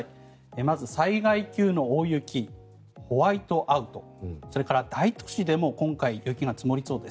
まず、災害級の大雪ホワイトアウトそれから大都市でも今回雪が積もりそうです。